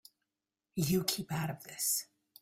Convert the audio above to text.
You keep out of this.